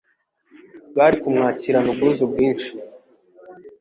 bari kumwakirana ubwuzu bwinshi